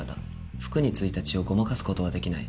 服に付いた血をごまかす事はできない。